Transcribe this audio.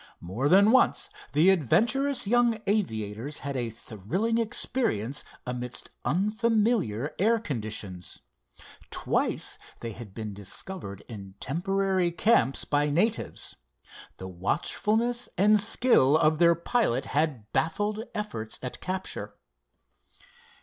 More than once the adventurous young aviators had a thrilling experience amidst unfamiliar air conditions. Twice they had been discovered in temporary camps by natives. The watchfulness and skill of their pilot had baffled efforts at capture.